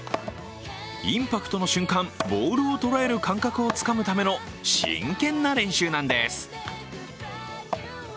インパクトの瞬間、ボールを捉える感覚をつかむための真剣な練習なんです。